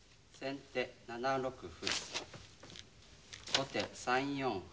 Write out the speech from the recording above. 後手３四歩。